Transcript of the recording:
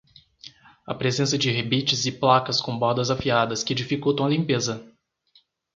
A presença de rebites e placas com bordas afiadas que dificultam a limpeza.